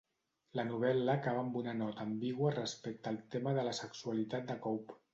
La novel·la acaba amb una nota ambigua respecte al tema de la sexualitat de Cope.